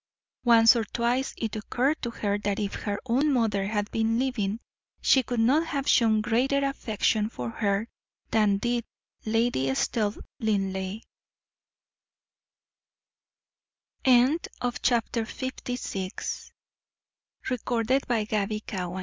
Once or twice it occurred to her that if her own mother had been living, she could not have shown greater affection for her than did Lady Estelle Linleigh. CHAPTER LVIII. BEFORE THE QUEEN. Such a May day!